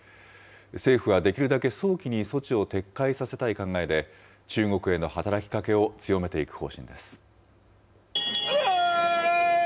政府はできるだけ早期に措置を撤回させたい考えで、中国への働きかけを強めていく方針です。